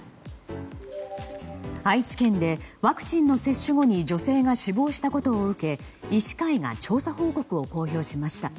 愛知県でワクチンの接種後に女性が死亡したことを受け医師会が調査報告を公表しました。